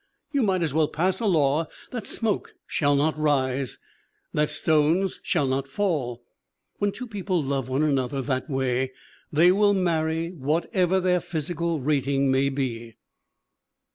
You might as well pass a law that smoke shall not rise, that stones shall not fall. When two people love one another that way they will marry whatever their physical rat ing may be."